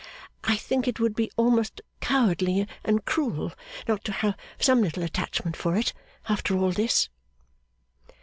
I think it would be almost cowardly and cruel not to have some little attachment for it, after all this.